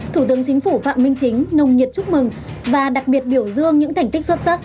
thủ tướng chính phủ phạm minh chính nồng nhiệt chúc mừng và đặc biệt biểu dương những thành tích xuất sắc